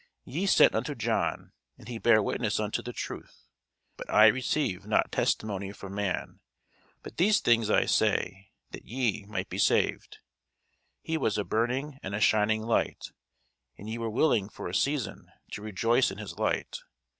Ye sent unto John, and he bare witness unto the truth. But I receive not testimony from man: but these things I say, that ye might be saved. He was a burning and a shining light: and ye were willing for a season to rejoice in his light.